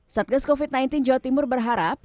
satgas covid sembilan belas jawa timur berharap